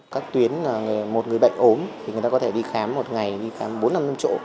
các tuyến một người bệnh ốm thì người ta có thể đi khám một ngày đi khám bốn năm năm chỗ